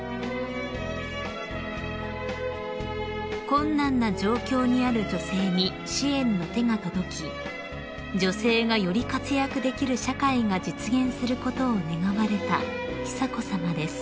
［困難な状況にある女性に支援の手が届き女性がより活躍できる社会が実現することを願われた久子さまです］